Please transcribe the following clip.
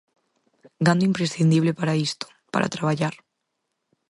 Gando imprescindible para isto, para traballar.